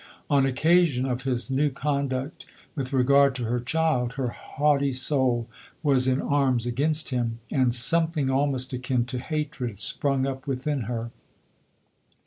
On occasion of his new conduct with regard to her child, her haughty soul was in arms against him, and something almost akin to hatred sprung up 132 LODORE. within her.